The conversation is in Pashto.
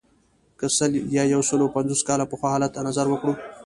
که سل یا یو سلو پنځوس کاله پخوا حالت ته نظر وکړو.